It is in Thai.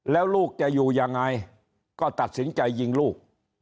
แล้วลูกจะอยู่ยังไงก็ตัดสินใจยิงลูก